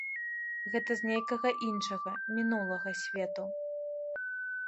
Гэта з нейкага іншага, мінулага, свету.